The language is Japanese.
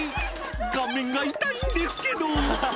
「顔面が痛いんですけど」